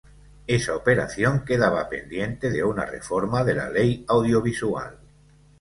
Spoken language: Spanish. Esa operación quedaba pendiente de una reforma de la Ley Audiovisual.